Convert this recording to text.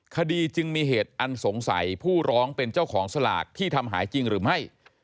คดีจึงมีเหตุอันสงสัยผู้ร้องเป็นเจ้าของสลากที่ทำหายจริงหรือไม่